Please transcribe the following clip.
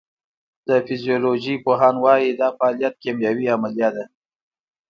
د فزیولوژۍ پوهان وایی دا فعالیت کیمیاوي عملیه ده